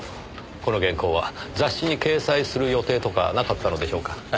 この原稿は雑誌に掲載する予定とかなかったのでしょうか？